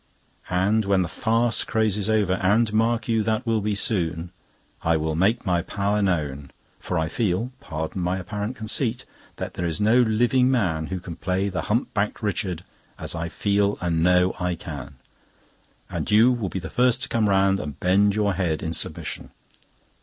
And when the farce craze is over—and, mark you, that will be soon—I will make my power known; for I feel—pardon my apparent conceit—that there is no living man who can play the hump backed Richard as I feel and know I can. "And you will be the first to come round and bend your head in submission.